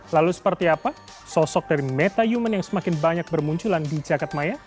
lalu seperti apa sosok dari metayumen yang semakin banyak bermunculan di cakat maya